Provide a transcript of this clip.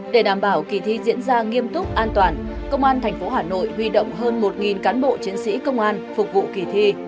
để đảm bảo kỳ thi diễn ra nghiêm túc an toàn công an tp hà nội huy động hơn một cán bộ chiến sĩ công an phục vụ kỳ thi